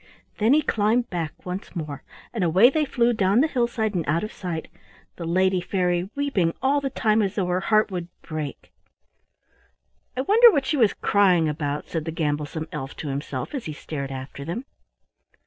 Then he climbed back once more, and away they flew down the hillside and out of sight, the lady fairy weeping all the time as though her heart would break. "I wonder what she was crying about," said the gamblesome elf to himself, as he stared after them.